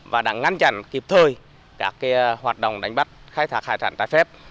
và đã ngăn chặn kịp thời các hoạt động đánh bắt khai thác hải sản trái phép